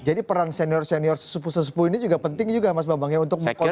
jadi peran senior senior sesepuh sesepuh ini juga penting juga mas bambang ya untuk konsolidir